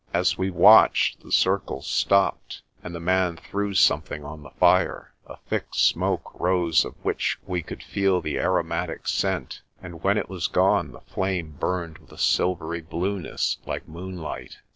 As we watched, the circles stopped, and the man threw some thing on the fire. A thick smoke rose of which we could feel the aromatic scent, and when it was gone the flame burned with a silvery blueness like moonlight.